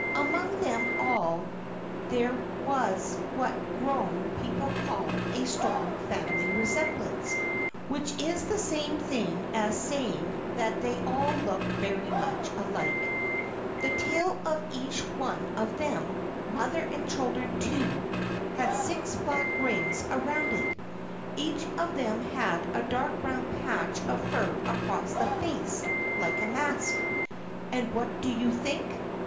Among them all there was what grown people call "a strong family resemblance," which is the same thing as saying that they all looked very much alike. The tail of each one of them mother and children too had six black rings around it. Each of them had a dark brown patch of fur across the face, like a mask. And what do you think?